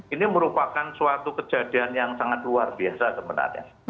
ini merupakan suatu kejadian yang sangat luar biasa sebenarnya